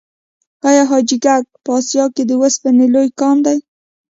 آیا حاجي ګک په اسیا کې د وسپنې لوی کان دی؟